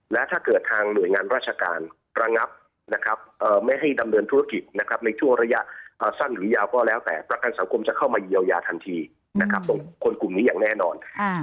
และถ้าเกิดทางหน่วยงานราชการระงับนะครับไม่ให้ดำเนินธุรกิจนะครับในช่วงระยะสั้นหรือยาวก็แล้วแต่ประกันสังคมจะเข้ามาเยียวยาทันทีนะครับของคนกลุ่มนี้อย่างแน่นอน